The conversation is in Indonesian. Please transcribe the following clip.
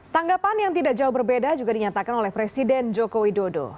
tanggapan yang tidak jauh berbeda juga dinyatakan oleh presiden joko widodo